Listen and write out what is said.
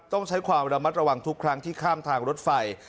ต้องใช้ความระมัดระวังทุกครั้งที่ข้ามทางรถไฟ